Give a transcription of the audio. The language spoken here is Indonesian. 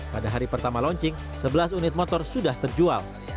pada hari pertama launching sebelas unit motor sudah terjual